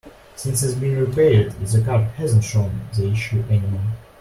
Since it's been repaired, the car hasn't shown the issue any more.